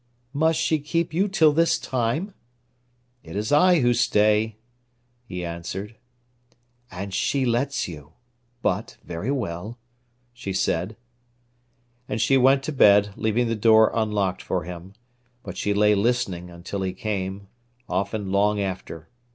"Must she keep you till this time?" "It is I who stay," he answered. "And she lets you? But very well," she said. And she went to bed, leaving the door unlocked for him; but she lay listening until he came, often long after.